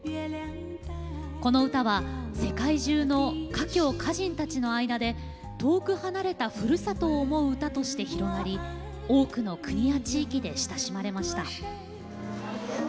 この歌は世界中の華僑・華人たちの間で遠く離れたふるさとを思う歌として広がり多くの国や地域で親しまれました。